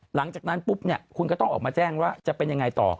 หลังจากนั้นปุ๊บเนี่ยคุณก็ต้องออกมาแจ้งว่าจะเป็นยังไงต่อ